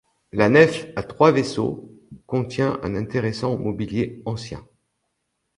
La nef, à trois vaisseaux, contient un intéressant mobilier ancien.